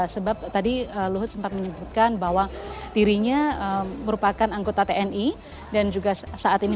sebab tadi luhut sempat menyebutkan bahwa dirinya merupakan anggota tni